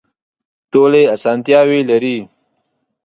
ټولې اسانتیاوې لري.